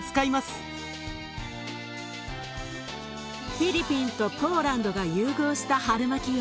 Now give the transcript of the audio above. フィリピンとポーランドが融合したハルマキよ。